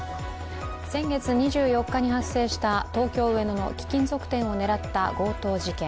先月２４日に発生した東京・上野の貴金属店を狙った強盗事件。